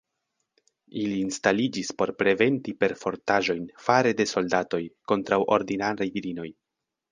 Ili instaliĝis por preventi perfortaĵojn fare de soldatoj kontraŭ ordinaraj virinoj.